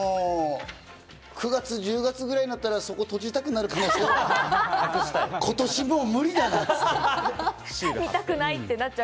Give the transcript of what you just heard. ９月、１０月ぐらいになったら、そこ閉じたくなる可能性も今年、もう無理だなって。